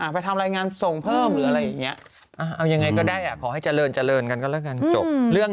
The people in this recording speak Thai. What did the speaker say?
ไปซบทังคนที่แบบ